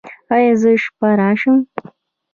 ایا زه شپه راشم؟